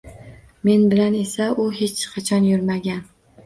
Men bilan esa u hech qachon yurmagan.